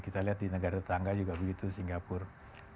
kita lihat di negara tetangga juga begitu singapura